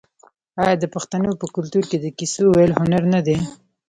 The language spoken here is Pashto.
آیا د پښتنو په کلتور کې د کیسو ویل هنر نه دی؟